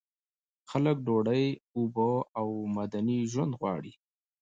خلک ډوډۍ، اوبه او مدني ژوند غواړي.